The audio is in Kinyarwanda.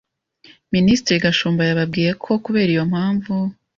Minisitiri Gashumba yababwiye ko kubera iyo mpamvu